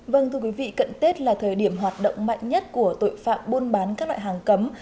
vâng thưa quý vị cận tết là thời điểm hoạt động mạnh nhất của tội phạm buôn bán các loại hàng cấm